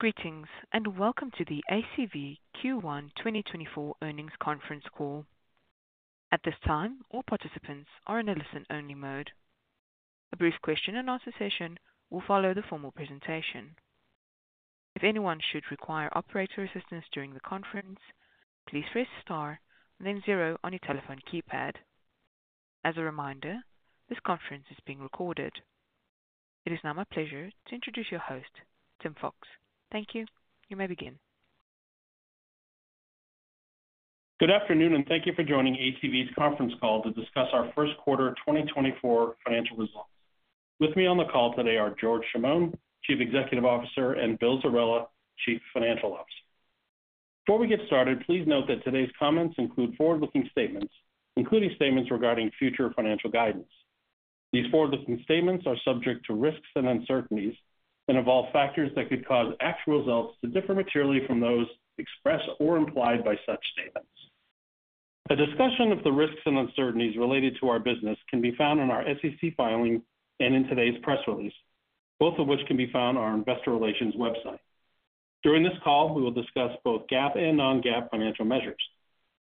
Greetings and welcome to the ACV Q1 2024 earnings Conference Call. At this time, all participants are in a listen-only mode. A brief question-and-answer session will follow the formal presentation. If anyone should require operator assistance during the conference, please Press Star and then zero on your telephone keypad. As a reminder, this conference is being recorded. It is now my pleasure to introduce your host, Tim Fox. Thank you. You may begin. Good afternoon, and thank you for joining ACV's conference call to discuss our first quarter 2024 financial results. With me on the call today are George Chamoun, Chief Executive Officer, and Bill Zerella, Chief Financial Officer. Before we get started, please note that today's comments include forward-looking statements, including statements regarding future financial guidance. These forward-looking statements are subject to risks and uncertainties and involve factors that could cause actual results to differ materially from those expressed or implied by such statements. A discussion of the risks and uncertainties related to our business can be found in our SEC filing and in today's press release, both of which can be found on our Investor Relations website. During this call, we will discuss both GAAP and non-GAAP financial measures.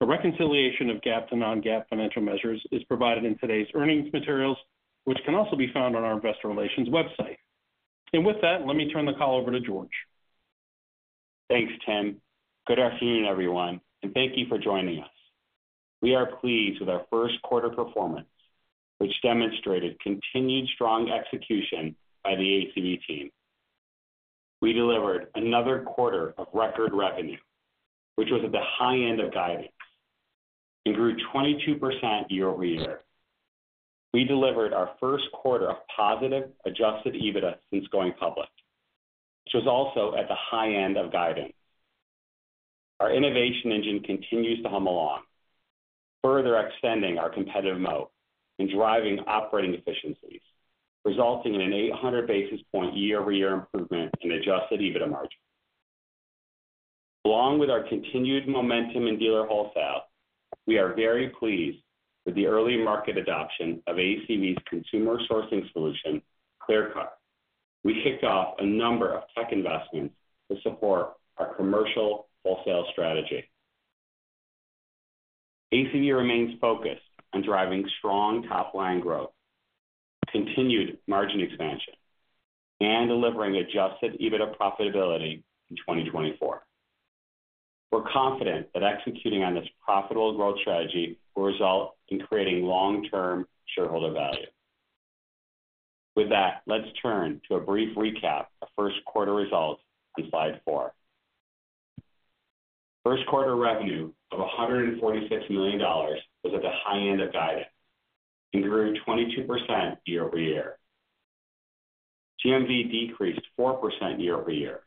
A reconciliation of GAAP to non-GAAP financial measures is provided in today's earnings materials, which can also be found on our Investor Relations website. With that, let me turn the call over to George. Thanks, Tim. Good afternoon, everyone, and thank you for joining us. We are pleased with our first quarter performance, which demonstrated continued strong execution by the ACV team. We delivered another quarter of record revenue, which was at the high end of guidance, and grew 22% year-over-year. We delivered our first quarter of positive Adjusted EBITDA since going public, which was also at the high end of guidance. Our innovation engine continues to hum along, further extending our competitive moat and driving operating efficiencies, resulting in an 800 basis points year-over-year improvement in Adjusted EBITDA margin. Along with our continued momentum in dealer wholesale, we are very pleased with the early market adoption of ACV's consumer sourcing solution, Clear Car. We kicked off a number of tech investments to support our commercial wholesale strategy. ACV remains focused on driving strong top-line growth, continued margin expansion, and delivering Adjusted EBITDA profitability in 2024. We're confident that executing on this profitable growth strategy will result in creating long-term shareholder value. With that, let's turn to a brief recap of first quarter results on slide four. First quarter revenue of $146 million was at the high end of guidance and grew 22% year-over-year. GMV decreased 4% year-over-year,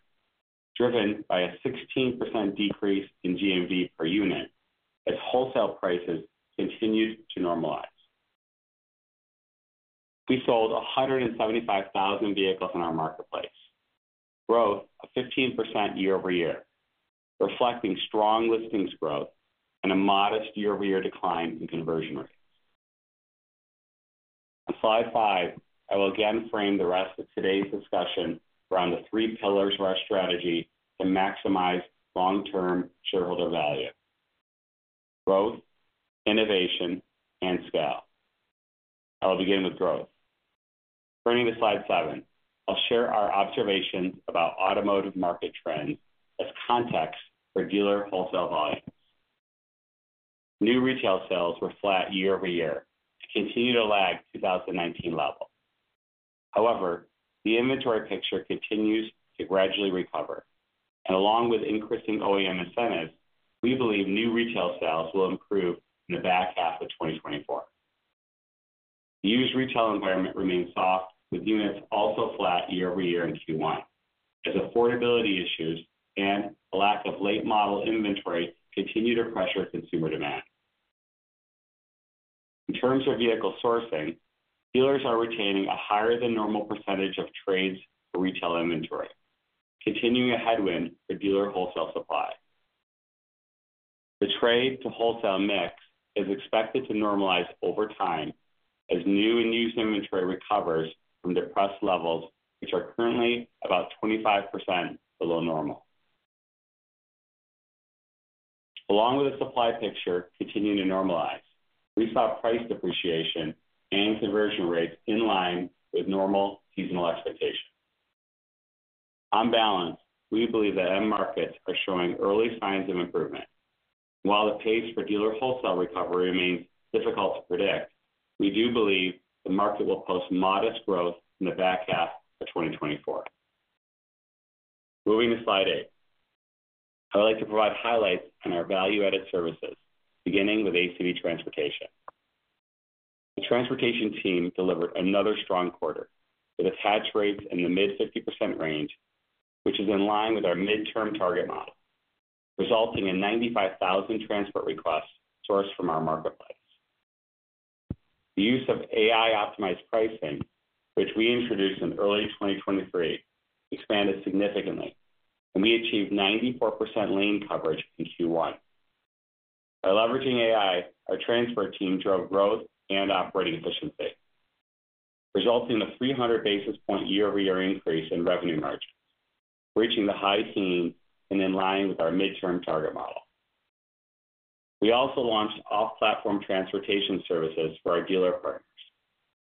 driven by a 16% decrease in GMV per unit as wholesale prices continued to normalize. We sold 175,000 vehicles in our Marketplace, growth of 15% year-over-year, reflecting strong listings growth and a modest year-over-year decline in conversion rates. On slide five, I will again frame the rest of today's discussion around the three pillars of our strategy to maximize long-term shareholder value: growth, innovation, and scale. I will begin with growth. Turning to slide seven, I'll share our observations about automotive market trends as context for dealer wholesale volumes. New retail sales were flat year-over-year and continue to lag 2019 level. However, the inventory picture continues to gradually recover, and along with increasing OEM incentives, we believe new retail sales will improve in the back half of 2024. The used retail environment remains soft, with units also flat year-over-year in Q1 as affordability issues and a lack of late model inventory continue to pressure consumer demand. In terms of vehicle sourcing, dealers are retaining a higher-than-normal percentage of trades for retail inventory, continuing a headwind for dealer wholesale supply. The trade-to-wholesale mix is expected to normalize over time as new and used inventory recovers from depressed levels, which are currently about 25% below normal. Along with the supply picture continuing to normalize, we saw price depreciation and conversion rates in line with normal seasonal expectations. On balance, we believe that end markets are showing early signs of improvement. While the pace for dealer wholesale recovery remains difficult to predict, we do believe the market will post modest growth in the back half of 2024. Moving to slide eight, I would like to provide highlights on our value-added services, beginning with ACV Transportation. The transportation team delivered another strong quarter with attached rates in the mid-50% range, which is in line with our midterm target model, resulting in 95,000 transport requests sourced from our marketplace. The use of AI-optimized pricing, which we introduced in early 2023, expanded significantly, and we achieved 94% lane coverage in Q1. By leveraging AI, our transport team drove growth and operating efficiency, resulting in a 300 basis point year-over-year increase in revenue margins, reaching the high teens and in line with our midterm target model. We also launched off-platform transportation services for our dealer partners.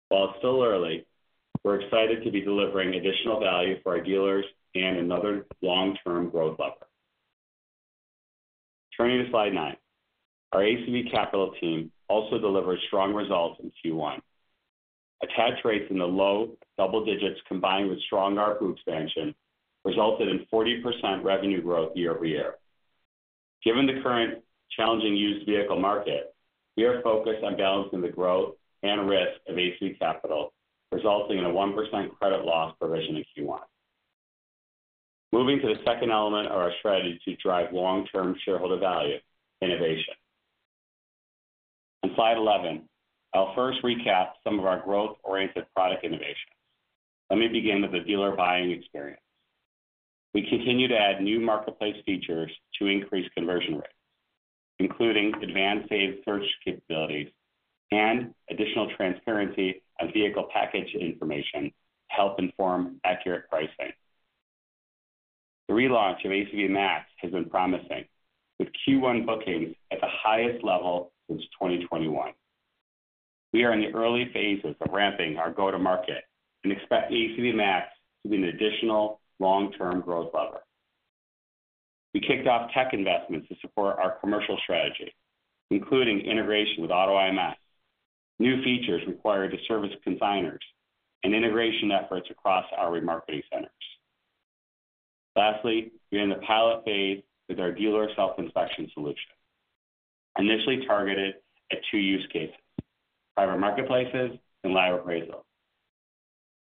While it's still early, we're excited to be delivering additional value for our dealers and another long-term growth lever. Turning to slide nine, our ACV Capital team also delivered strong results in Q1. Attach rates in the low double digits, combined with strong ARPU expansion, resulted in 40% revenue growth year-over-year. Given the current challenging used vehicle market, we are focused on balancing the growth and risk of ACV Capital, resulting in a 1% credit loss provision in Q1. Moving to the second element of our strategy to drive long-term shareholder value: innovation. On slide 11, I'll first recap some of our growth-oriented product innovations. Let me begin with the dealer buying experience. We continue to add new Marketplace features to increase conversion rates, including advanced saved search capabilities and additional transparency on vehicle package information to help inform accurate pricing. The relaunch of ACV MAX has been promising, with Q1 bookings at the highest level since 2021. We are in the early phases of ramping our go-to-market and expect ACV MAX to be an additional long-term growth lever. We kicked off tech investments to support our commercial strategy, including integration with AutoIMS, new features required to service consigners, and integration efforts across our remarketing centers. Lastly, we're in the pilot phase with our dealer self-inspection solution, initially targeted at two use cases: private marketplaces and live appraisals.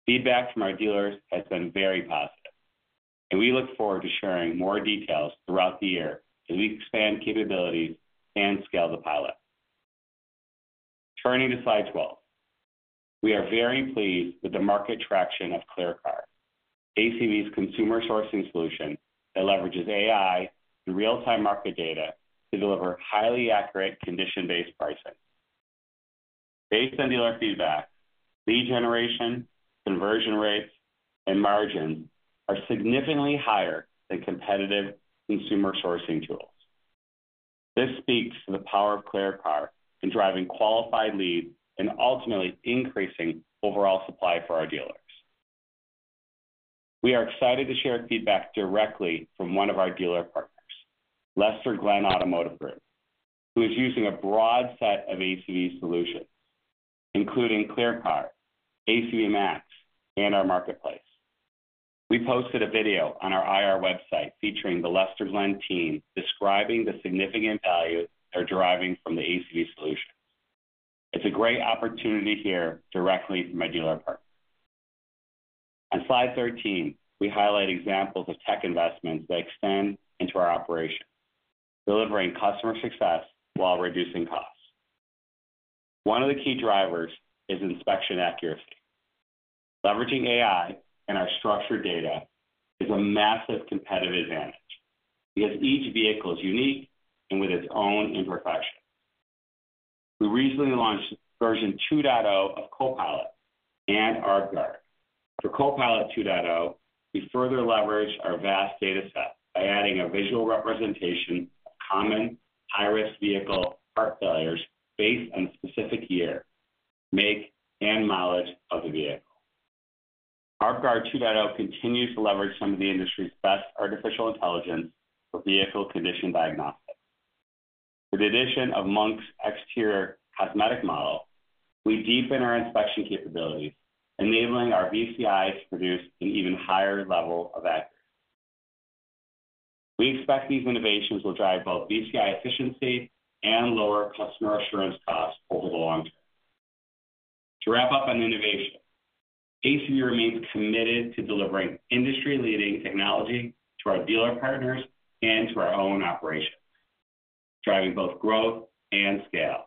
Feedback from our dealers has been very positive, and we look forward to sharing more details throughout the year as we expand capabilities and scale the pilot. Turning to slide 12, we are very pleased with the market traction of ClearCar, ACV's consumer sourcing solution that leverages AI and real-time market data to deliver highly accurate condition-based pricing. Based on dealer feedback, lead generation, conversion rates, and margins are significantly higher than competitive consumer sourcing tools. This speaks to the power of ClearCar in driving qualified leads and ultimately increasing overall supply for our dealers. We are excited to share feedback directly from one of our dealer partners, Lester Glenn Automotive Group, who is using a broad set of ACV solutions, including Clear Car, ACV MAX, and our marketplace. We posted a video on our IR website featuring the Lester Glenn team describing the significant value they're driving from the ACV solutions. It's a great opportunity to hear directly from my dealer partner. On slide 13, we highlight examples of tech investments that extend into our operations, delivering customer success while reducing costs. One of the key drivers is inspection accuracy. Leveraging AI and our structured data is a massive competitive advantage because each vehicle is unique and with its own imperfections. We recently launched version 2.0 of Copilot and AMP. For Copilot 2.0, we further leverage our vast dataset by adding a visual representation of common high-risk vehicle part failures based on the specific year, make, and mileage of the vehicle. AMP 2.0 continues to leverage some of the industry's best artificial intelligence for vehicle condition diagnostics. With the addition of Monk's exterior cosmetic model, we deepen our inspection capabilities, enabling our VCIs to produce an even higher level of accuracy. We expect these innovations will drive both VCI efficiency and lower customer assurance costs over the long term. To wrap up on innovation, ACV remains committed to delivering industry-leading technology to our dealer partners and to our own operations, driving both growth and scale.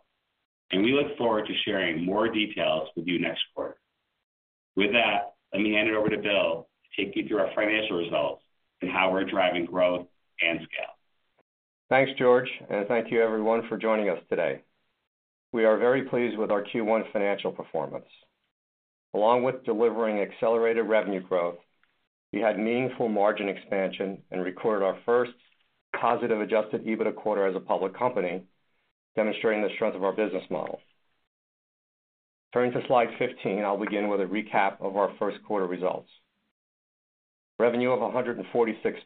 We look forward to sharing more details with you next quarter. With that, let me hand it over to Bill to take you through our financial results and how we're driving growth and scale. Thanks, George, and thank you, everyone, for joining us today. We are very pleased with our Q1 financial performance. Along with delivering accelerated revenue growth, we had meaningful margin expansion and recorded our first positive Adjusted EBITDA quarter as a public company, demonstrating the strength of our business model. Turning to Slide 15, I'll begin with a recap of our first quarter results. Revenue of $146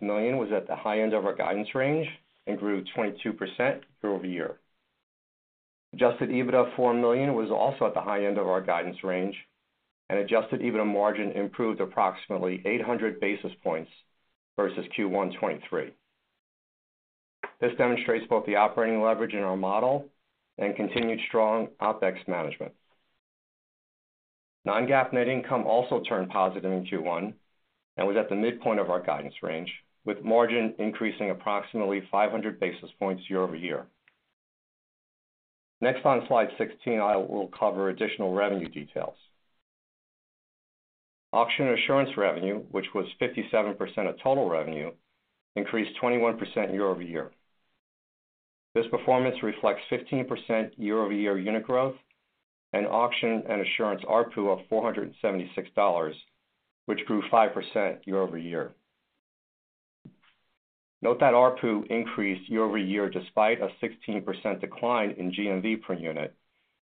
million was at the high end of our guidance range and grew 22% year-over-year. Adjusted EBITDA of $4 million was also at the high end of our guidance range, and Adjusted EBITDA margin improved approximately 800 basis points versus Q1 2023. This demonstrates both the operating leverage in our model and continued strong OpEx management. Non-GAAP net income also turned positive in Q1 and was at the midpoint of our guidance range, with margin increasing approximately 500 basis points year-over-year. Next, on slide 16, I will cover additional revenue details. Auction assurance revenue, which was 57% of total revenue, increased 21% year over year. This performance reflects 15% year over year unit growth and auction and assurance ARPU of $476, which grew 5% year over year. Note that ARPU increased year over year despite a 16% decline in GMV per unit,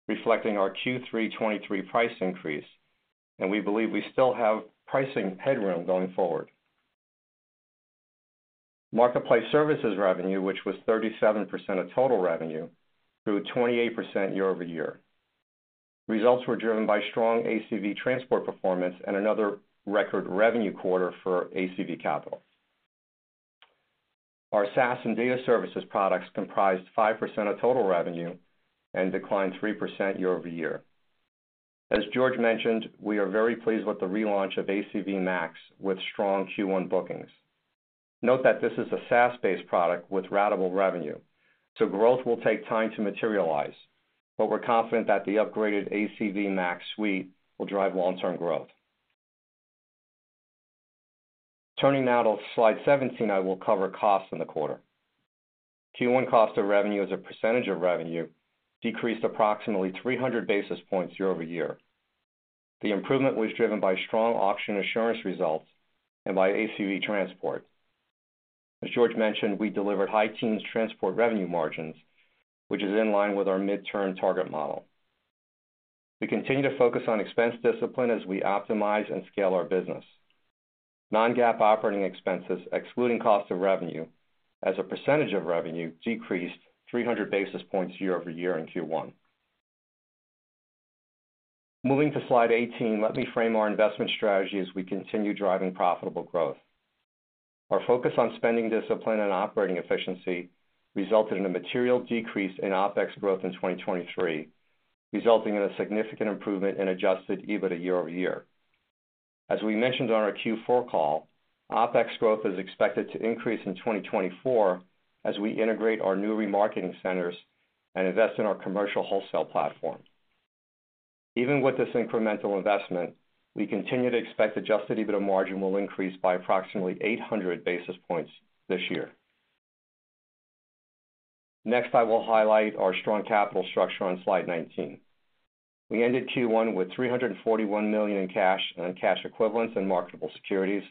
reflecting our Q3 2023 price increase, and we believe we still have pricing headroom going forward. Marketplace services revenue, which was 37% of total revenue, grew 28% year over year. Results were driven by strong ACV Transportation performance and another record revenue quarter for ACV Capital. Our SaaS and data services products comprised 5% of total revenue and declined 3% year over year. As George mentioned, we are very pleased with the relaunch of ACV MAX with strong Q1 bookings. Note that this is a SaaS-based product with ratable revenue, so growth will take time to materialize, but we're confident that the upgraded ACV MAX suite will drive long-term growth. Turning now to slide 17, I will cover costs in the quarter. Q1 cost of revenue as a percentage of revenue decreased approximately 300 basis points year-over-year. The improvement was driven by strong auction assurance results and by ACV Transportation. As George mentioned, we delivered high teens transport revenue margins, which is in line with our midterm target model. We continue to focus on expense discipline as we optimize and scale our business. Non-GAAP operating expenses, excluding cost of revenue as a percentage of revenue, decreased 300 basis points year-over-year in Q1. Moving to slide 18, let me frame our investment strategy as we continue driving profitable growth. Our focus on spending discipline and operating efficiency resulted in a material decrease in OpEx growth in 2023, resulting in a significant improvement in Adjusted EBITDA year-over-year. As we mentioned on our Q4 call, OpEx growth is expected to increase in 2024 as we integrate our new remarketing centers and invest in our commercial wholesale platform. Even with this incremental investment, we continue to expect Adjusted EBITDA margin will increase by approximately 800 basis points this year. Next, I will highlight our strong capital structure on slide 19. We ended Q1 with $341 million in cash equivalents in marketable securities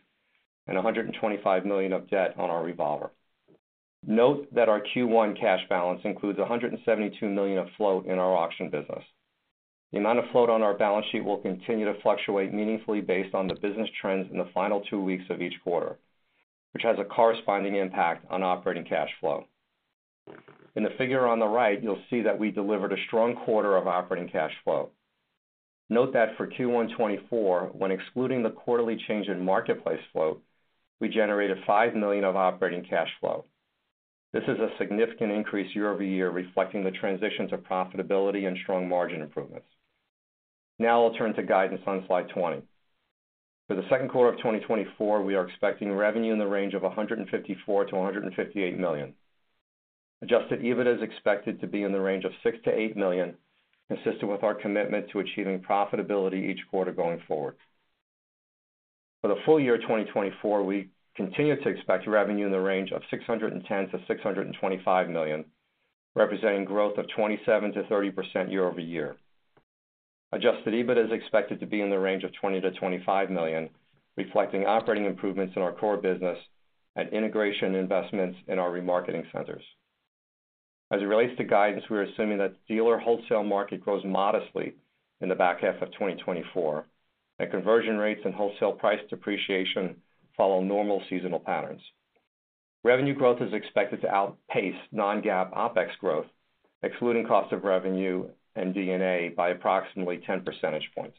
and $125 million of debt on our revolver. Note that our Q1 cash balance includes $172 million of float in our auction business. The amount of float on our balance sheet will continue to fluctuate meaningfully based on the business trends in the final two weeks of each quarter, which has a corresponding impact on operating cash flow. In the figure on the right, you'll see that we delivered a strong quarter of operating cash flow. Note that for Q1 2024, when excluding the quarterly change in marketplace float, we generated $5 million of operating cash flow. This is a significant increase year-over-year, reflecting the transition to profitability and strong margin improvements. Now I'll turn to guidance on slide 20. For the second quarter of 2024, we are expecting revenue in the range of $154-$158 million. Adjusted EBITDA is expected to be in the range of $6-$8 million, consistent with our commitment to achieving profitability each quarter going forward. For the full year 2024, we continue to expect revenue in the range of $610-$625 million, representing growth of 27%-30% year-over-year. Adjusted EBITDA is expected to be in the range of $20-$25 million, reflecting operating improvements in our core business and integration investments in our remarketing centers. As it relates to guidance, we are assuming that the dealer wholesale market grows modestly in the back half of 2024 and conversion rates and wholesale price depreciation follow normal seasonal patterns. Revenue growth is expected to outpace non-GAAP OpEx growth, excluding cost of revenue and D&A, by approximately 10% points.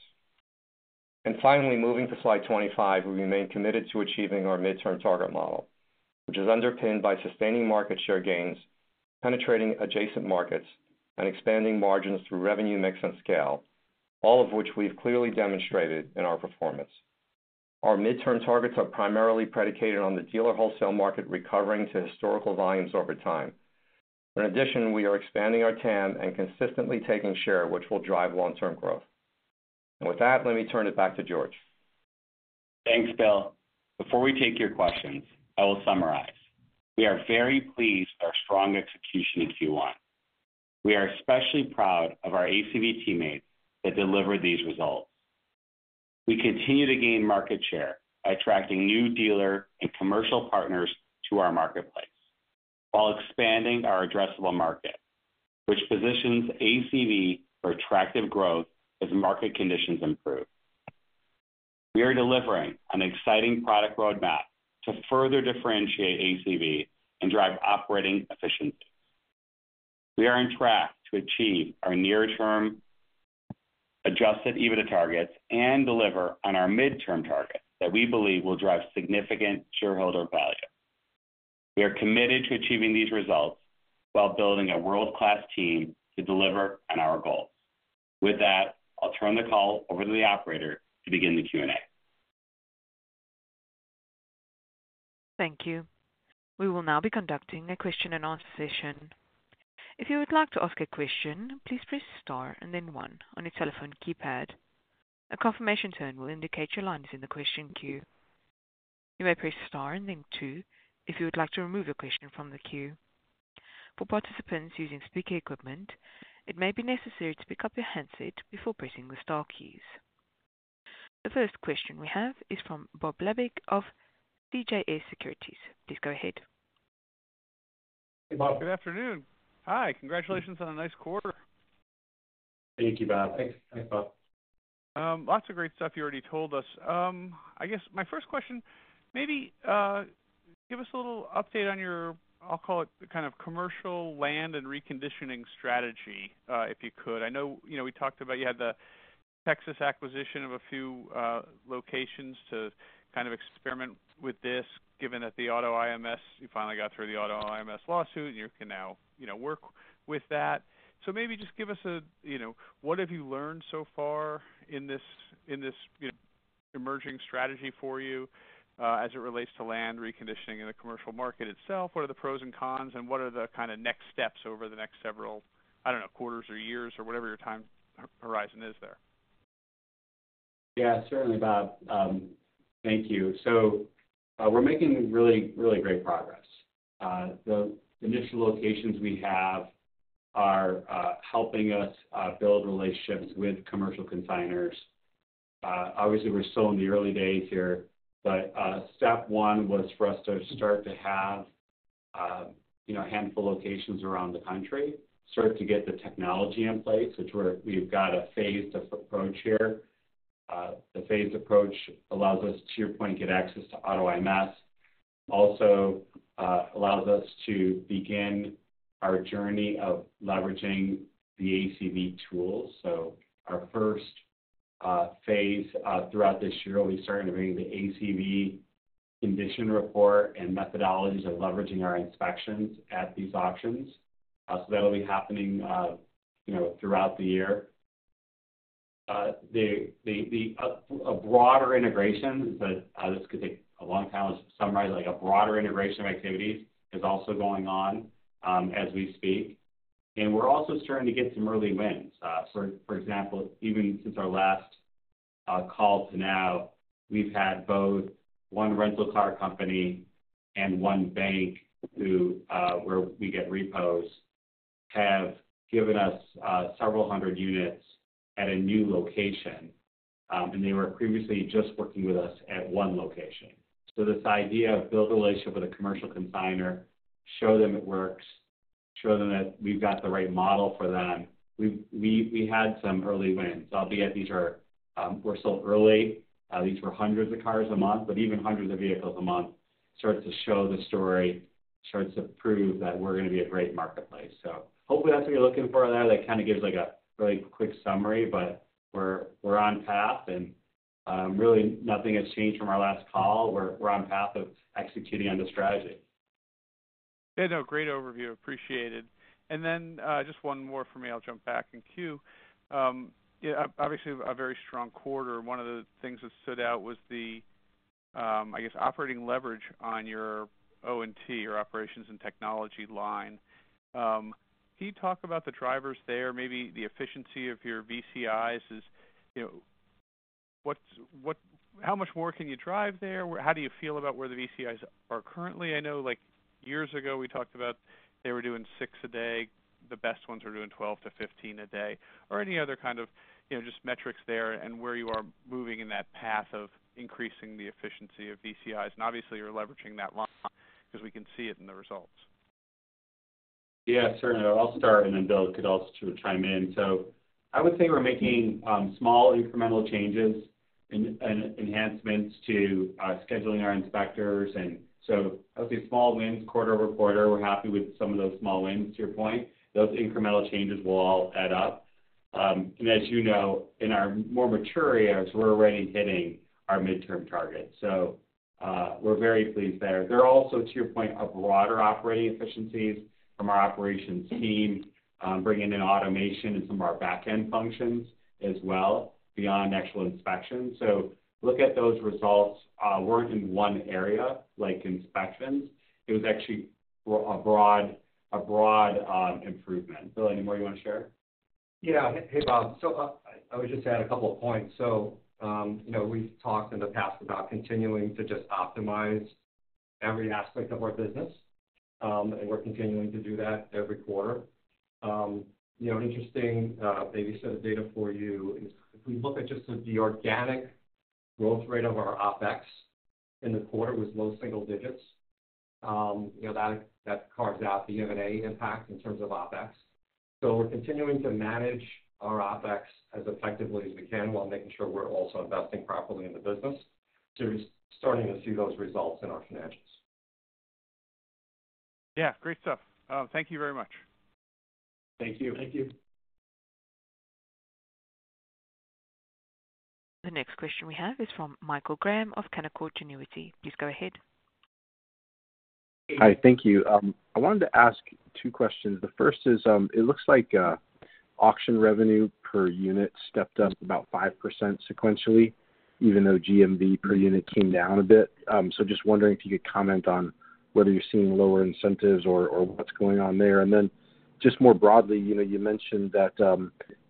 Finally, moving to slide 25, we remain committed to achieving our midterm target model, which is underpinned by sustaining market share gains, penetrating adjacent markets, and expanding margins through revenue mix and scale, all of which we've clearly demonstrated in our performance. Our midterm targets are primarily predicated on the dealer wholesale market recovering to historical volumes over time. In addition, we are expanding our TAM and consistently taking share, which will drive long-term growth. With that, let me turn it back to George. Thanks, Bill. Before we take your questions, I will summarize. We are very pleased with our strong execution in Q1. We are especially proud of our ACV teammates that delivered these results. We continue to gain market share by attracting new dealer and commercial partners to our marketplace while expanding our addressable market, which positions ACV for attractive growth as market conditions improve. We are delivering an exciting product roadmap to further differentiate ACV and drive operating efficiency. We are on track to achieve our near-term Adjusted EBITDA targets and deliver on our midterm targets that we believe will drive significant shareholder value. We are committed to achieving these results while building a world-class team to deliver on our goals. With that, I'll turn the call over to the operator to begin the Q&A. Thank you. We will now be conducting a question-and-answer session. If you would like to ask a question, please press star and then one on your telephone keypad. A confirmation turn will indicate your line is in the question queue. You may Press Star and then two if you would like to remove a question from the queue. For participants using speaker equipment, it may be necessary to pick up your handset before pressing the star keys. The first question we have is from Bob Labick of CJS Securities. Please go ahead. Hey, Bob. Good afternoon. Hi. Congratulations on a nice quarter. Thank you, Bob. Thanks, Bob. Lots of great stuff you already told us. I guess my first question, maybe give us a little update on your, I'll call it, kind of commercial land and reconditioning strategy, if you could. I know we talked about you had the Texas acquisition of a few locations to kind of experiment with this, given that the AutoIMS, you finally got through the AutoIMS lawsuit, and you can now work with that. So maybe just give us a what have you learned so far in this emerging strategy for you as it relates to land reconditioning in the commercial market itself? What are the pros and cons, and what are the kind of next steps over the next several, I don't know, quarters or years or whatever your time horizon is there? Yeah, certainly, Bob. Thank you. So we're making really, really great progress. The initial locations we have are helping us build relationships with commercial consignors. Obviously, we're still in the early days here, but step one was for us to start to have a handful of locations around the country, start to get the technology in place, which we've got a phased approach here. The phased approach allows us, to your point, to get access to AutoIMS. It also allows us to begin our journey of leveraging the ACV tools. So our first phase throughout this year, we'll be starting to bring the ACV condition report and methodologies of leveraging our inspections at these auctions. So that'll be happening throughout the year. A broader integration is that this could take a long time to summarize. A broader integration of activities is also going on as we speak. We're also starting to get some early wins. For example, even since our last call to now, we've had both one rental car company and one bank where we get repos have given us several hundred units at a new location, and they were previously just working with us at one location. So this idea of building a relationship with a commercial consignor, show them it works, show them that we've got the right model for them. We had some early wins. We're still early. These were hundreds of cars a month, but even hundreds of vehicles a month starts to show the story, starts to prove that we're going to be a great marketplace. So hopefully, that's what you're looking for there. That kind of gives a really quick summary, but we're on path, and really, nothing has changed from our last call. We're on path of executing on the strategy. Yeah, no, great overview. Appreciated. And then just one more for me. I'll jump back in queue. Obviously, a very strong quarter. One of the things that stood out was the, I guess, operating leverage on your O&T, your operations and technology line. Can you talk about the drivers there? Maybe the efficiency of your VCIs is how much more can you drive there? How do you feel about where the VCIs are currently? I know years ago, we talked about they were doing six a day. The best ones are doing 12-15 a day. Or any other kind of just metrics there and where you are moving in that path of increasing the efficiency of VCIs. And obviously, you're leveraging that line because we can see it in the results. Yeah, certainly. I'll start, and then Bill could also chime in. So I would say we're making small incremental changes and enhancements to scheduling our inspectors. And so I would say small wins, quarter-over-quarter. We're happy with some of those small wins, to your point. Those incremental changes will all add up. And as you know, in our more mature years, we're already hitting our midterm target. So we're very pleased there. There are also, to your point, broader operating efficiencies from our operations team, bringing in automation and some of our back-end functions as well beyond actual inspections. So look at those results. Weren't in one area like inspections. It was actually a broad improvement. Bill, any more you want to share? Yeah. Hey, Bob. I would just add a couple of points. We've talked in the past about continuing to just optimize every aspect of our business, and we're continuing to do that every quarter. An interesting bit of data for you is if we look at just the organic growth rate of our OpEx in the quarter, it was low single digits. That carves out the M&A impact in terms of OpEx. We're continuing to manage our OpEx as effectively as we can while making sure we're also investing properly in the business. We're starting to see those results in our financials. Yeah, great stuff. Thank you very much. Thank you. Thank you. The next question we have is from Michael Graham of Canaccord Genuity. Please go ahead. Hi. Thank you. I wanted to ask two questions. The first is it looks like auction revenue per unit stepped up about 5% sequentially, even though GMV per unit came down a bit. So just wondering if you could comment on whether you're seeing lower incentives or what's going on there. And then just more broadly, you mentioned that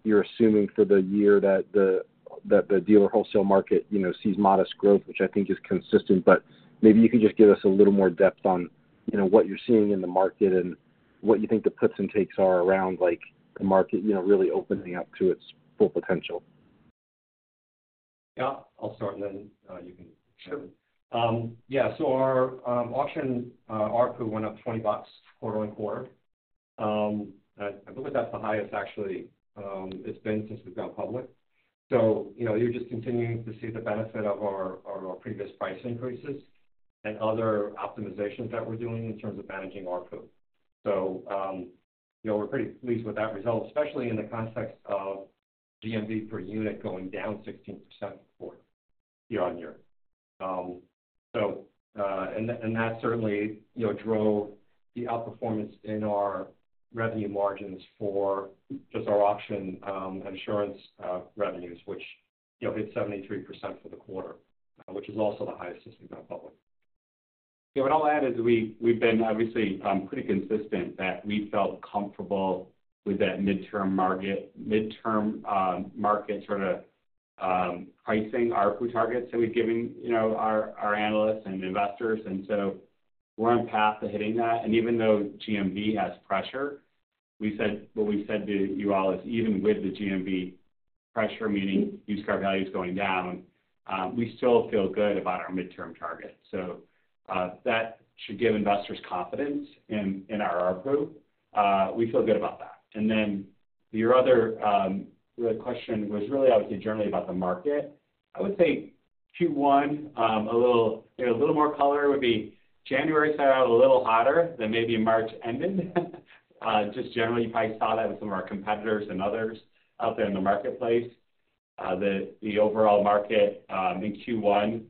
you're assuming for the year that the dealer wholesale market sees modest growth, which I think is consistent. But maybe you could just give us a little more depth on what you're seeing in the market and what you think the puts and takes are around the market really opening up to its full potential. Yeah. I'll start, and then you can chime in. Yeah. So our auction RPU went up $20 quarter-over-quarter. I believe that's the highest, actually, it's been since we've gone public. So you're just continuing to see the benefit of our previous price increases and other optimizations that we're doing in terms of managing RPU. So we're pretty pleased with that result, especially in the context of GMV per unit going down 16% year-over-year. And that certainly drove the outperformance in our revenue margins for just our auction insurance revenues, which hit 73% for the quarter, which is also the highest since we've gone public. What I'll add is we've been obviously pretty consistent that we felt comfortable with that midterm market sort of pricing ARPU targets that we've given our analysts and investors. So we're on path to hitting that. Even though GMV has pressure, what we've said to you all is even with the GMV pressure, meaning used car value is going down, we still feel good about our midterm target. So that should give investors confidence in our ARPU. We feel good about that. Then your other question was really, I would say, generally about the market. I would say Q1, a little more color would be January started out a little hotter than maybe March ended. Just generally, you probably saw that with some of our competitors and others out there in the marketplace. The overall market in Q1,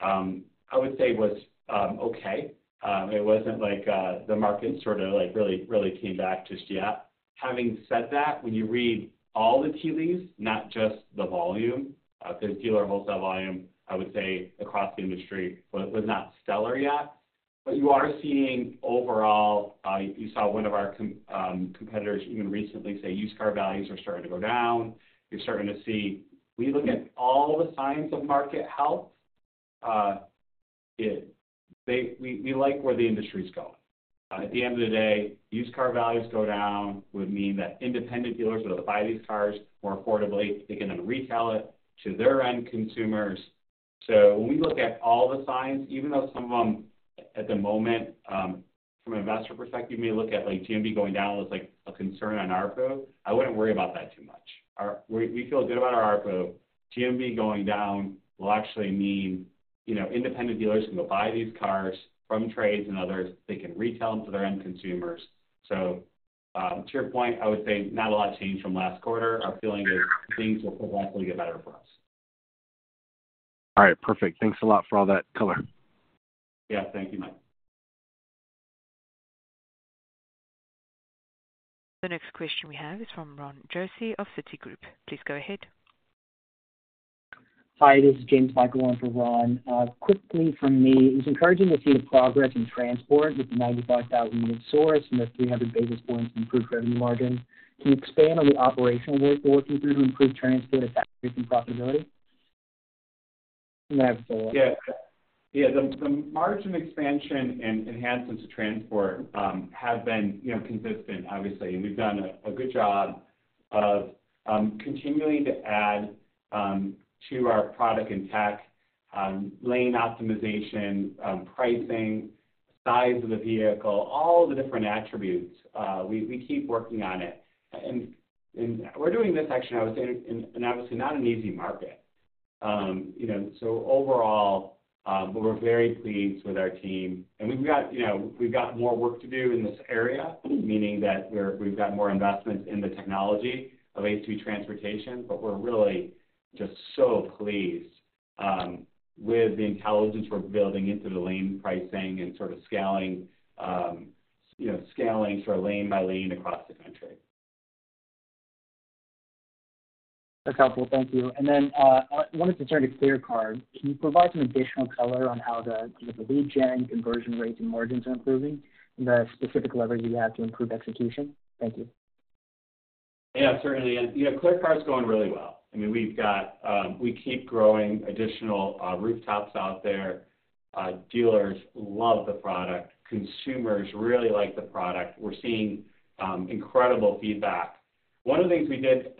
I would say, was okay. It wasn't like the market sort of really came back just yet. Having said that, when you read all the tea leaves, not just the volume, because dealer wholesale volume, I would say, across the industry was not stellar yet. But you are seeing overall, you saw one of our competitors even recently say used car values are starting to go down. You're starting to see when you look at all the signs of market health, we like where the industry is going. At the end of the day, used car values go down would mean that independent dealers would be able to buy these cars more affordably. They can then retail it to their end consumers. When we look at all the signs, even though some of them at the moment, from an investor perspective, you may look at GMV going down was a concern on ARPU, I wouldn't worry about that too much. We feel good about our ARPU. GMV going down will actually mean independent dealers can go buy these cars from trades and others. They can retail them to their end consumers. So to your point, I would say not a lot changed from last quarter. Our feeling is things will progressively get better for us. All right. Perfect. Thanks a lot for all that color. Yeah. Thank you, Mike. The next question we have is from Ron Josey of Citigroup. Please go ahead. Hi. This is James Michael Warren for Ron. Quickly from me, it was encouraging to see the progress in transport with the 95,000-unit source and the 300 basis points to improve revenue margin. Can you expand on the operational work you're working through to improve transport, effectiveness, and profitability? I'm going to have to follow up. Yeah. Yeah. The margin expansion and enhancements to transport have been consistent, obviously. And we've done a good job of continuing to add to our product and tech, lane optimization, pricing, size of the vehicle, all the different attributes. We keep working on it. And we're doing this, actually, I would say, in obviously not an easy market. So overall, but we're very pleased with our team. And we've got more work to do in this area, meaning that we've got more investments in the technology of ACV Transportation. But we're really just so pleased with the intelligence we're building into the lane pricing and sort of scaling sort of lane by lane across the country. That's helpful. Thank you. And then I wanted to turn to ClearCar. Can you provide some additional color on how the lead-gen conversion rates and margins are improving and the specific levers you have to improve execution? Thank you. Yeah, certainly. And ClearCar is going really well. I mean, we keep growing additional rooftops out there. Dealers love the product. Consumers really like the product. We're seeing incredible feedback. One of the things we did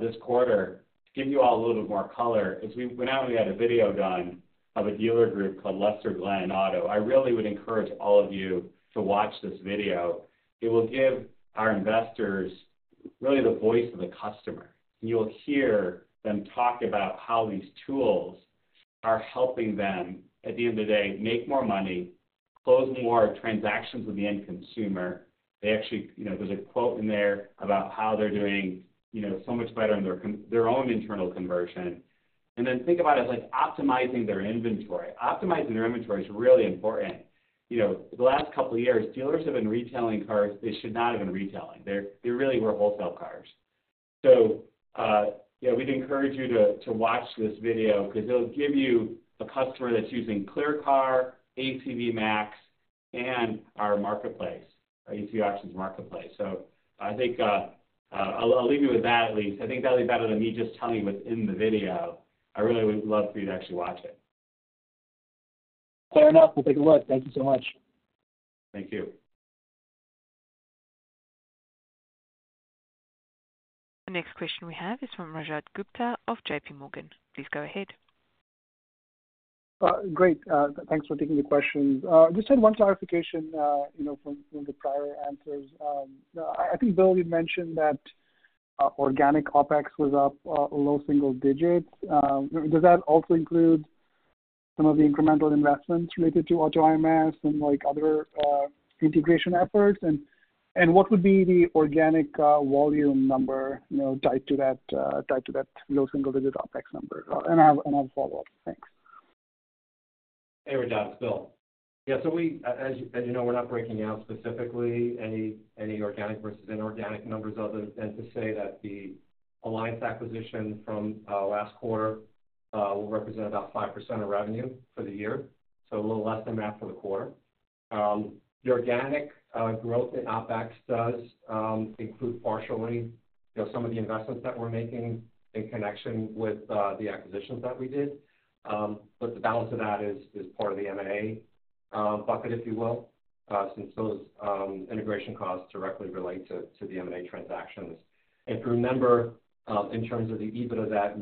this quarter to give you all a little bit more color is we went out and we had a video done of a dealer group called Lester Glenn Auto. I really would encourage all of you to watch this video. It will give our investors really the voice of the customer. And you'll hear them talk about how these tools are helping them, at the end of the day, make more money, close more transactions with the end consumer. There's a quote in there about how they're doing so much better in their own internal conversion. And then think about it as optimizing their inventory. Optimizing their inventory is really important. The last couple of years, dealers have been retailing cars they should not have been retailing. They really were wholesale cars. So we'd encourage you to watch this video because it'll give you a customer that's using ClearCar, ACV MAX, and our Marketplace, our ACV Auctions Marketplace. So I think I'll leave you with that at least. I think that'll be better than me just telling you what's in the video. I really would love for you to actually watch it. Fair enough. We'll take a look. Thank you so much. Thank you. The next question we have is from Rajat Gupta of J.P. Morgan. Please go ahead. Great. Thanks for taking the questions. Just had one clarification from the prior answers. I think, Bill, you mentioned that organic OpEx was up low single digits. Does that also include some of the incremental investments related to AutoIMS and other integration efforts? And what would be the organic volume number tied to that low single digit OpEx number? And I have a follow-up. Thanks. Hey, Rajat. It's Bill. Yeah. So as you know, we're not breaking out specifically any organic versus inorganic numbers other than to say that the alliance acquisition from last quarter will represent about 5% of revenue for the year, so a little less than that for the quarter. The organic growth that OpEx does include partially some of the investments that we're making in connection with the acquisitions that we did. But the balance of that is part of the M&A bucket, if you will, since those integration costs directly relate to the M&A transactions. And if you remember, in terms of the EBITDA that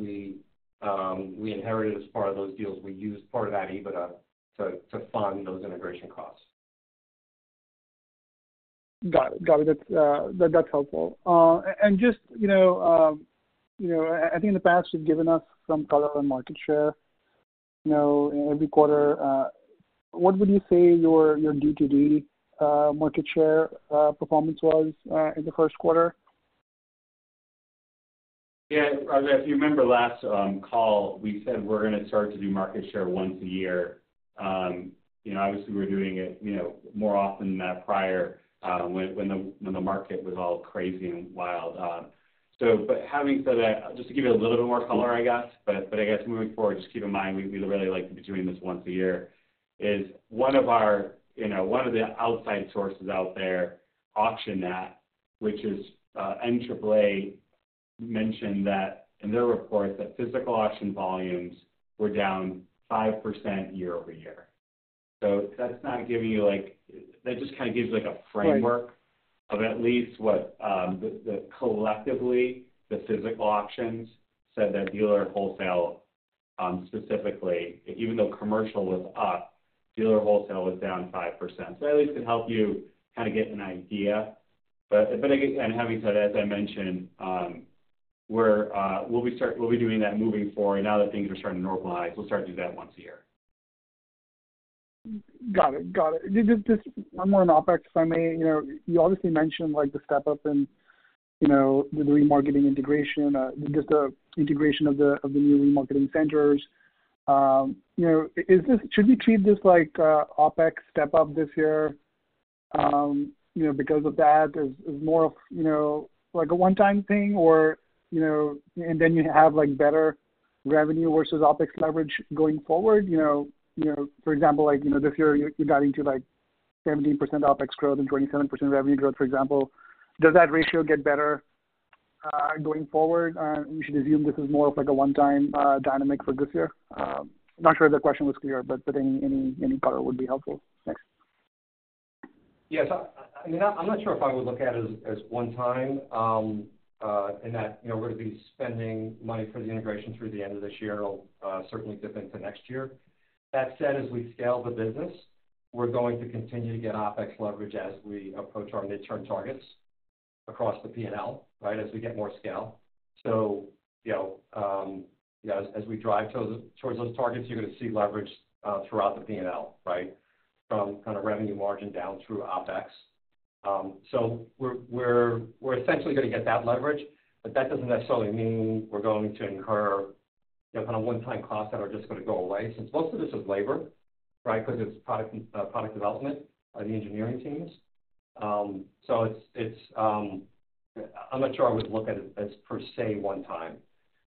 we inherited as part of those deals, we used part of that EBITDA to fund those integration costs. Got it. Got it. That's helpful. And just I think in the past, you've given us some color on market share every quarter. What would you say your D2D market share performance was in the first quarter? Yeah. If you remember last call, we said we're going to start to do market share once a year. Obviously, we were doing it more often than that prior when the market was all crazy and wild. But having said that, just to give you a little bit more color, moving forward, just keep in mind we really like to be doing this once a year. One of the outside sources out there AuctionedNet, which is NAAA mentioned in their report that physical auction volumes were down 5% year-over-year. So that kind of gives you a framework of at least what collectively the physical auctions said that dealer wholesale specifically, even though commercial was up, dealer wholesale was down 5%. So that at least could help you kind of get an idea. But again, having said that, as I mentioned, we'll be doing that moving forward. Now that things are starting to normalize, we'll start to do that once a year. Got it. Got it. One more on OpEx, if I may. You obviously mentioned the step-up and the remarketing integration, just the integration of the new remarketing centers. Should we treat this like OpEx step-up this year because of that as more of a one-time thing? And then you have better revenue versus OpEx leverage going forward? For example, this year, you're getting to 17% OpEx growth and 27% revenue growth, for example. Does that ratio get better going forward? We should assume this is more of a one-time dynamic for this year. I'm not sure if the question was clear, but any color would be helpful. Thanks. Yeah. So I mean, I'm not sure if I would look at it as one-time in that we're going to be spending money for the integration through the end of this year. It'll certainly dip into next year. That said, as we scale the business, we're going to continue to get OpEx leverage as we approach our midterm targets across the P&L, right, as we get more scale. So yeah, as we drive towards those targets, you're going to see leverage throughout the P&L, right, from kind of revenue margin down through OpEx. So we're essentially going to get that leverage. But that doesn't necessarily mean we're going to incur kind of one-time costs that are just going to go away since most of this is labor, right, because it's product development of the engineering teams. So I'm not sure I would look at it as per se one-time.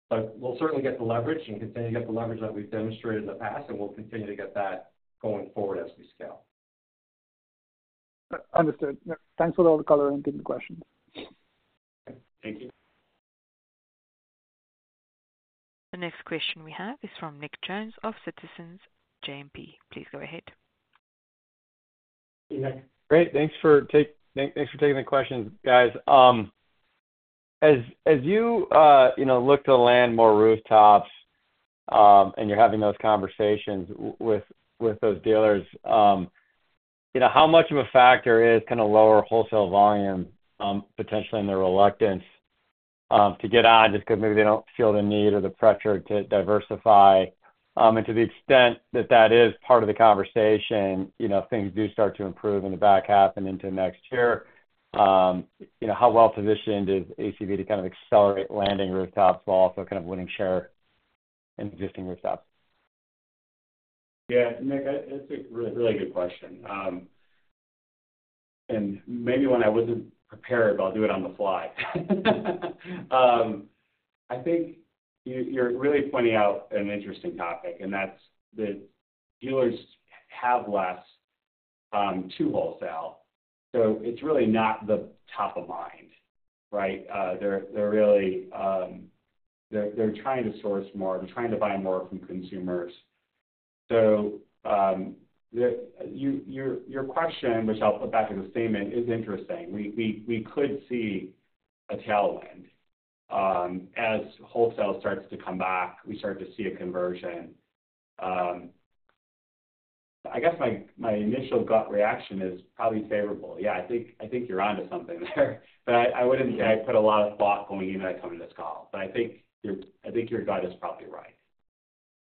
But we'll certainly get the leverage and continue to get the leverage that we've demonstrated in the past. And we'll continue to get that going forward as we scale. Understood. Thanks for all the color and getting the questions. Okay. Thank you. The next question we have is from Nick Jones of Citizens JMP. Please go ahead. Hey, Nick. Great. Thanks for taking the questions, guys. As you look to land more rooftops and you're having those conversations with those dealers, how much of a factor is kind of lower wholesale volume, potentially, and their reluctance to get on just because maybe they don't feel the need or the pressure to diversify? And to the extent that that is part of the conversation, if things do start to improve in the back half and into next year, how well positioned is ACV to kind of accelerate landing rooftops while also kind of winning share in existing rooftops? Yeah. Nick, that's a really good question. Maybe when I wasn't prepared, but I'll do it on the fly. I think you're really pointing out an interesting topic. That's that dealers have less to wholesale. So it's really not the top of mind, right? They're trying to source more. They're trying to buy more from consumers. So your question, which I'll put back as a statement, is interesting. We could see a tailwind as wholesale starts to come back. We start to see a conversion. I guess my initial gut reaction is probably favorable. Yeah. I think you're on to something there. But I wouldn't say I put a lot of thought going into that coming to this call. But I think your gut is probably right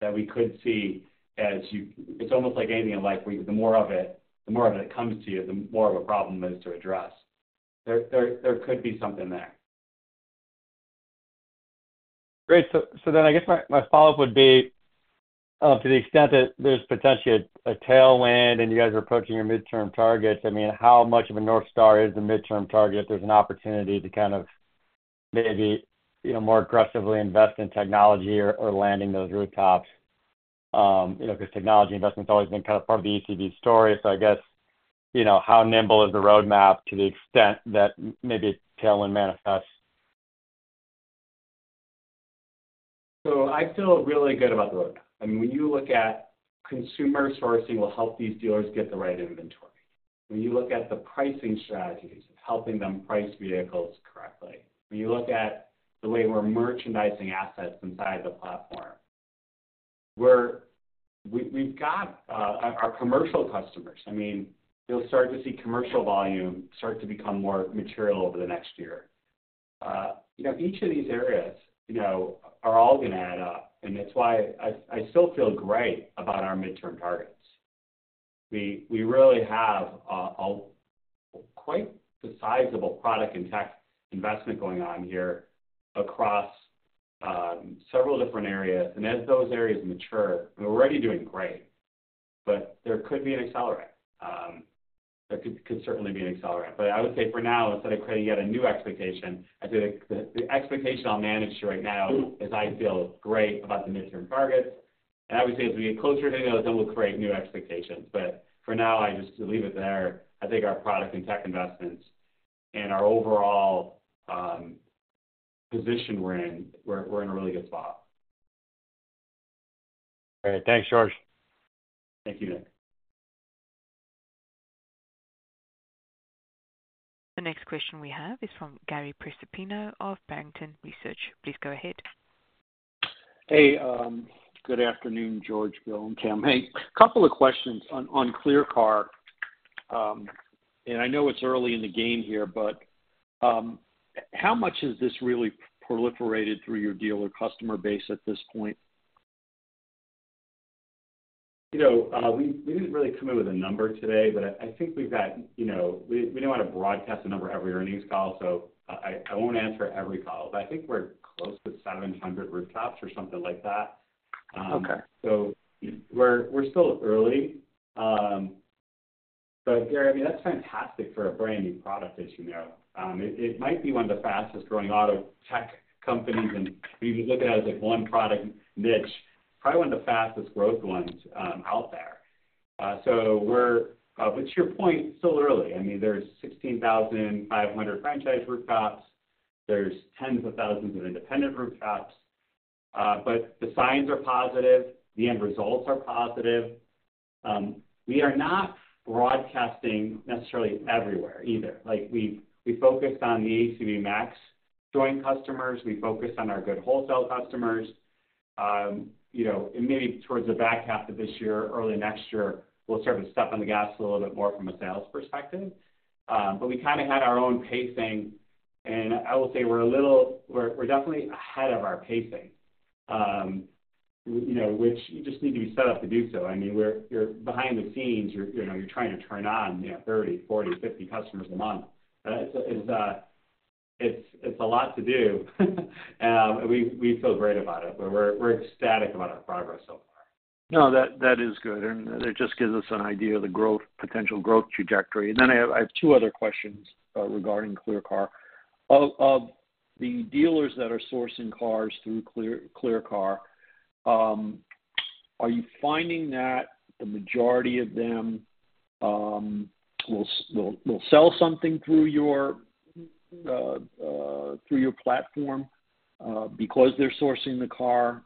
that we could see as you it's almost like anything in life. The more of it comes to you, the more of a problem is to address. There could be something there. Great. So then I guess my follow-up would be, to the extent that there's potentially a tailwind and you guys are approaching your midterm targets, I mean, how much of a North Star is the midterm target if there's an opportunity to kind of maybe more aggressively invest in technology or landing those rooftops? Because technology investment's always been kind of part of the ACV story. So I guess how nimble is the roadmap to the extent that maybe a tailwind manifests? So I feel really good about the roadmap. I mean, when you look at consumer sourcing will help these dealers get the right inventory. When you look at the pricing strategies of helping them price vehicles correctly. When you look at the way we're merchandising assets inside the platform, we've got our commercial customers. I mean, you'll start to see commercial volume start to become more material over the next year. Each of these areas are all going to add up. And that's why I still feel great about our midterm targets. We really have quite the sizable product and tech investment going on here across several different areas. And as those areas mature, we're already doing great. But there could be an accelerant. There could certainly be an accelerant. But I would say for now, instead of creating yet a new expectation, I'd say the expectation I'll manage to right now is I feel great about the midterm targets. And I would say as we get closer to any of those, then we'll create new expectations. But for now, I just leave it there. I think our product and tech investments and our overall position we're in, we're in a really good spot. All right. Thanks, George. Thank you, Nick. The next question we have is from Gary Prestopino of Barrington Research. Please go ahead. Hey. Good afternoon, George, Bill, and Tim. Hey, a couple of questions on ClearCar. I know it's early in the game here, but how much has this really proliferated through your dealer customer base at this point? We didn't really come in with a number today. I think we've got we don't want to broadcast a number every earnings call. So I won't answer every call. I think we're close to 700 rooftops or something like that. So we're still early. Gary, I mean, that's fantastic for a brand new product as you know. It might be one of the fastest-growing auto tech companies. If you just look at it as one product niche, probably one of the fastest-growth ones out there. To your point, still early. I mean, there's 16,500 franchise rooftops. There's tens of thousands of independent rooftops. The signs are positive. The end results are positive. We are not broadcasting necessarily everywhere either. We focused on the ACV MAX joint customers. We focused on our good wholesale customers. Maybe towards the back half of this year, early next year, we'll start to step on the gas a little bit more from a sales perspective. But we kind of had our own pacing. And I will say we're definitely ahead of our pacing, which you just need to be set up to do so. I mean, you're behind the scenes. You're trying to turn on 30, 40, 50 customers a month. It's a lot to do. And we feel great about it. But we're ecstatic about our progress so far. No, that is good. It just gives us an idea of the potential growth trajectory. Then I have two other questions regarding ClearCar. Of the dealers that are sourcing cars through ClearCar, are you finding that the majority of them will sell something through your platform because they're sourcing the car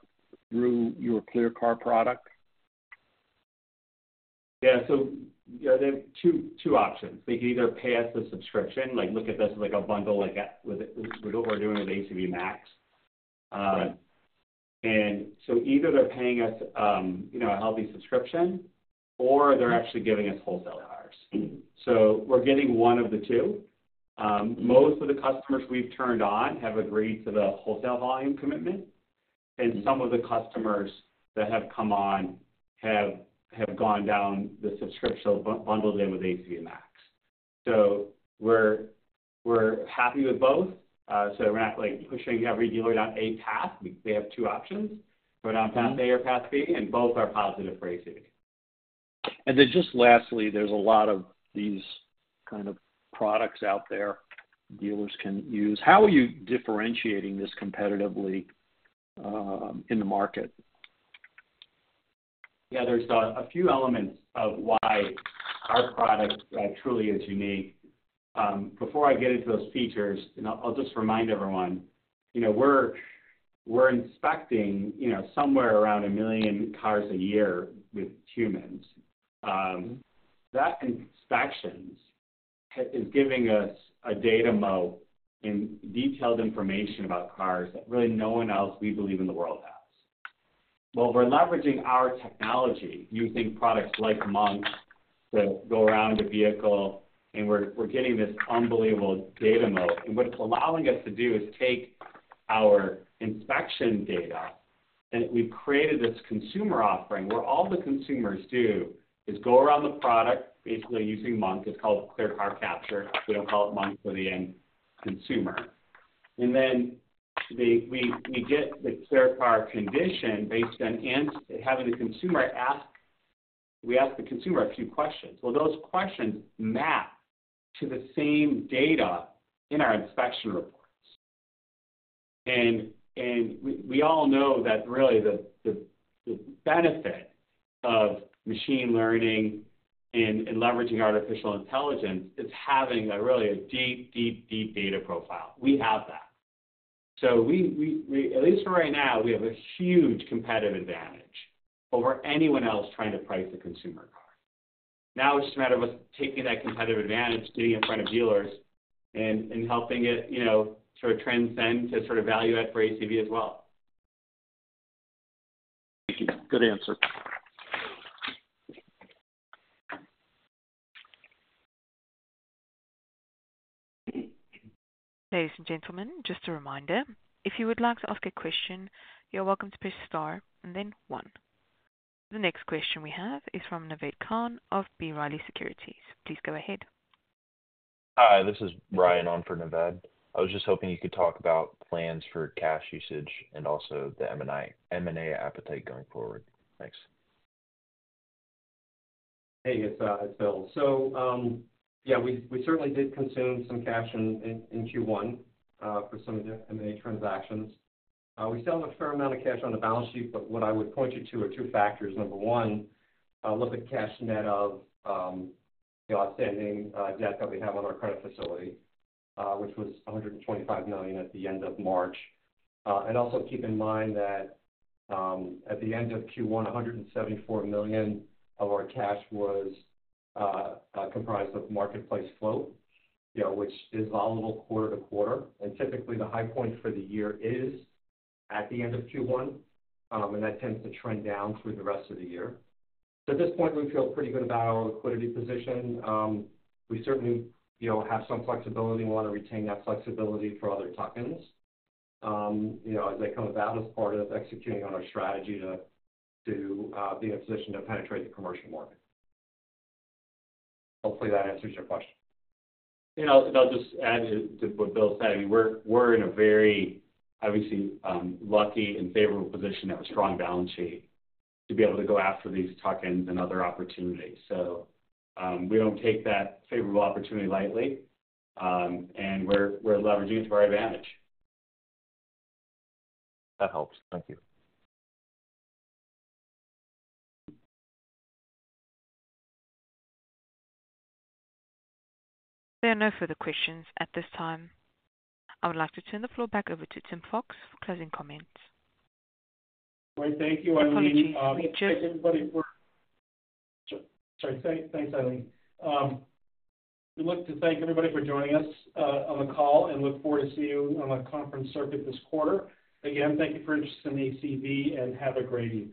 through your ClearCar product? Yeah. So they have two options. They can either pay us a subscription, look at this as a bundle with what we're doing with ACV MAX. And so either they're paying us a healthy subscription, or they're actually giving us wholesale cars. So we're getting one of the two. Most of the customers we've turned on have agreed to the wholesale volume commitment. And some of the customers that have come on have gone down the subscription bundled in with ACV MAX. So we're happy with both. So we're not pushing every dealer down a path. They have two options. Go down path A or path B. And both are positive for ACV. And then just lastly, there's a lot of these kind of products out there dealers can use. How are you differentiating this competitively in the market? Yeah. There's a few elements of why our product truly is unique. Before I get into those features, and I'll just remind everyone, we're inspecting somewhere around 1 million cars a year with humans. That inspection is giving us a data moat and detailed information about cars that really no one else we believe in the world has. Well, we're leveraging our technology using products like Monk to go around a vehicle. And we're getting this unbelievable data moat. And what it's allowing us to do is take our inspection data. And we've created this consumer offering where all the consumers do is go around the product basically using Monk. It's called ClearCar Capture. We don't call it Monk for the end consumer. And then we get the ClearCar condition based on having the consumer ask we ask the consumer a few questions. Well, those questions map to the same data in our inspection reports. We all know that really the benefit of machine learning and leveraging artificial intelligence is having really a deep, deep, deep data profile. We have that. At least for right now, we have a huge competitive advantage over anyone else trying to price a consumer car. Now it's just a matter of us taking that competitive advantage, getting in front of dealers, and helping it sort of transcend to sort of value add for ACV as well. Thank you. Good answer. Ladies and gentlemen, just a reminder, if you would like to ask a question, you're welcome to press star and then one. The next question we have is from Naved Khan of B. Riley Securities. Please go ahead. Hi. This is Ryan on for Naved. I was just hoping you could talk about plans for cash usage and also the M&A appetite going forward. Thanks. Hey. It's Bill. So yeah, we certainly did consume some cash in Q1 for some of the M&A transactions. We sell a fair amount of cash on the balance sheet. But what I would point you to are two factors. Number one, look at cash net of outstanding debt that we have on our credit facility, which was $125 million at the end of March. And also keep in mind that at the end of Q1, $174 million of our cash was comprised of marketplace float, which is volatile quarter to quarter. And typically, the high point for the year is at the end of Q1. And that tends to trend down through the rest of the year. So at this point, we feel pretty good about our liquidity position. We certainly have some flexibility. We want to retain that flexibility for other tuck-ins as they come about as part of executing on our strategy to be in a position to penetrate the commercial market. Hopefully, that answers your question. I'll just add to what Bill said. I mean, we're in a very, obviously, lucky and favorable position to have a strong balance sheet to be able to go after these tuck-ins and other opportunities. So we don't take that favorable opportunity lightly. We're leveraging it to our advantage. That helps. Thank you. There are no further questions at this time. I would like to turn the floor back over to Tim Fox for closing comments. Great. Thank you. I mean. Apologies. Thanks, Eileen. We'd like to thank everybody for joining us on the call and look forward to seeing you on the conference circuit this quarter. Again, thank you for interest in ACV. Have a great evening.